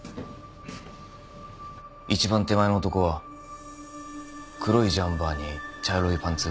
一番手前の男は黒いジャンパーに茶色いパンツ。